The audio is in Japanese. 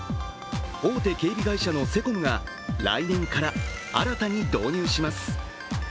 大手警備会社のセコムが来年から新たに導入します。